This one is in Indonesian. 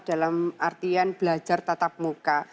dalam artian belajar tatap muka